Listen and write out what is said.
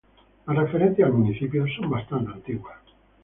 Las referencias al municipio son bastante antiguas.